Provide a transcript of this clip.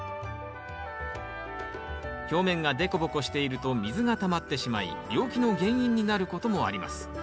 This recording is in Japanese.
表面がデコボコしていると水がたまってしまい病気の原因になることもあります。